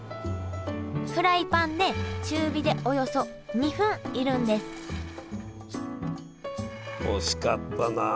フライパンで中火でおよそ２分煎るんです惜しかったな。